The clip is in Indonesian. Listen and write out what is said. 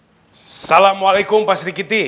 assalamualaikum pak sri kiti